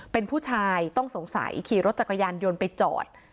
เป็นผู้ชายต้องสงสัยขี่รถจักรยานยนต์ไปจอด